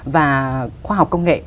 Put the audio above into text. và khoa học công nghệ